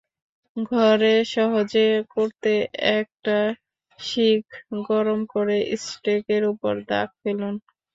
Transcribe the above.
ঘরে সহজে করতে একটা শিক গরম করে স্টেকের ওপর দাগ ফেলুন।